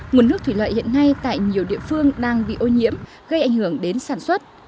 nguồn nước thủy lợi hiện nay tại nhiều địa phương đang bị ô nhiễm gây ảnh hưởng đến sản xuất